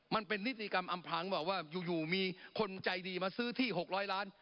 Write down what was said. มันเป็นนิติกรรมอำพลังแบบว่าอยู่มีคนใจดีมาซื้อที่๖๐๐ล้าน